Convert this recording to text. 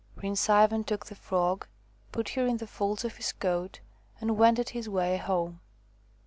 Prince Ivan took the Frog, put her in the folds of his coat, and wended his way home.